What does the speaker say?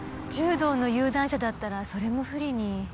柔道の有段者だったらそれも不利に。